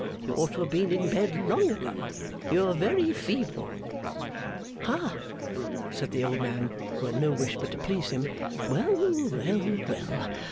You ought to have been in bed long ago. You are very feeble.' 'Hah!' said the old man, who had no wish but to please him. 'Well, well, well!